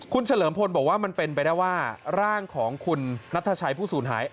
คุณเฉลิมพลบอกว่ามันเป็นไปได้ว่าร่างของคุณนัทชัยผู้สูญหาย